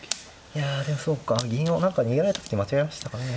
いやでもそうか銀を何か逃げられた時間違えましたかね